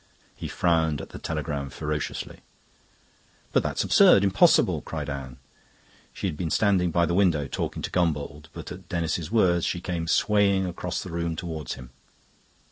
He frowned at the telegram ferociously. "But that's absurd, impossible," cried Anne. She had been standing by the window talking to Gombauld; but at Denis's words she came swaying across the room towards him.